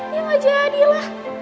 dia gak jadilah